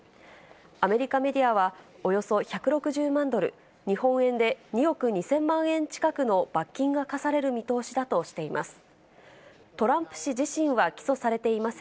アメリカメディアは、およそ１６０万ドル、日本円で２億２０００万円近くの罰金が科される見通しだとしています。